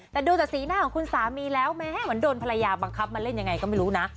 แต่ดูจากสีหน้าของคุณสามีแล้วแม้เหมือนโดนภรรยาบังคับมาเล่นยังไงก็ไม่รู้นะ